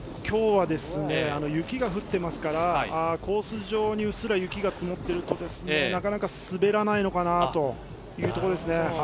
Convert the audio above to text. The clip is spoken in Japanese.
今日は雪が降ってますからコース上にうっすら積もってるとなかなか滑らないのかなというところですね。